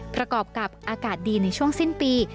ประกอบกับอากาศดีในช่วงสิ้นปี